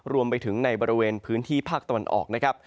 รวมไปถึงในบริเวณพื้นที่ภาคตะวันออกนะครับ